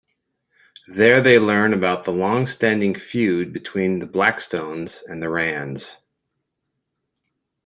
There they learn about the long-standing feud between the Blackstones and the Rands.